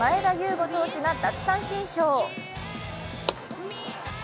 伍選手が奪三振ショー。